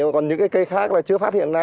còn những cây khác chưa phát hiện ra